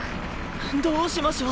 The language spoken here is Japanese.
どうしましょう？